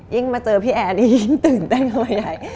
ยิ่งมาเจอพี่แอนอีกยิ่งตื่นเต้นมาใหญ่